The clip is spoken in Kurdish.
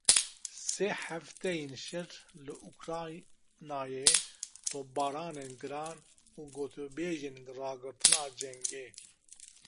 Sê hefteyên şer li Ukraynayê, topbaranên giran û gotûbêjên ragirtina cengê.